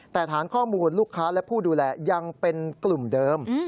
แต่ฐานข้อมูลลูกค้าและผู้ดูแลยังเป็นกลุ่มเดิม